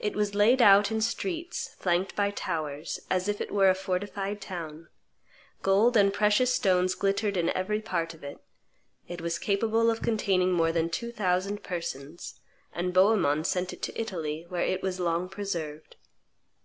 It was laid out in streets, flanked by towers, as if it were a fortified town; gold and precious stones glittered in every part of it; it was capable of containing more than two thousand persons; and Bohemond sent it to Italy, where it was long preserved.